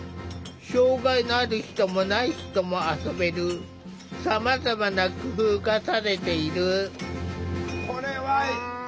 障害のある人もない人も遊べるさまざまな工夫がされている。